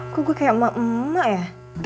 kok gua kayak emak emak ya